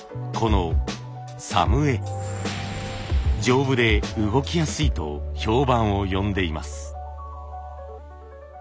丈夫で動きやすいと評判を呼んでいます。